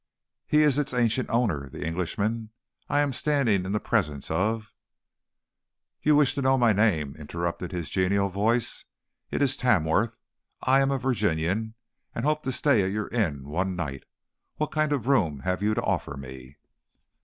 "He is its ancient owner, the Englishman. I am standing in the presence of " "You wish to know my name," interrupted his genial voice. "It is Tamworth. I am a Virginian, and hope to stay at your inn one night. What kind of a room have you to offer me?"